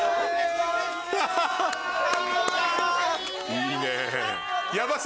・いいねぇ。